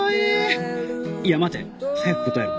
いや待て。早く答えろ